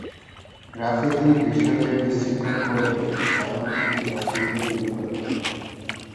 Graffiti দৃশ্যকে বিশৃঙ্খল করে তোলে কারণ এটি দর্শনকে বিঘ্নিত করে।